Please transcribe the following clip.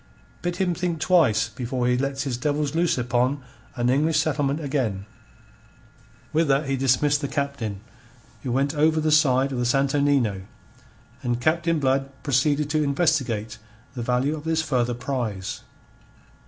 Bid him think twice before he lets his devils loose upon an English settlement again." With that he dismissed the Captain, who went over the side of the Santo Nino, and Captain Blood proceeded to investigate the value of this further prize.